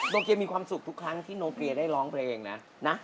โอเคมีความสุขทุกครั้งที่โนเปียได้ร้องเพลงนะนะ